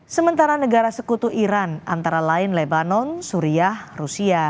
sementara negara sekutu iran antara lain lebanon syria rusia